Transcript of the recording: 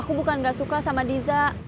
aku bukan gak suka sama diza